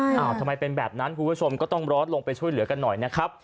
ทำไมเป็นแบบนั้นคุณผู้ชมก็ต้องร้อนลงไปช่วยเหลือกันหน่อยนะครับ